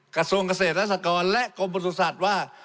กระทรวงเกษตรและสกรและกรมประสุทธิ์ว่า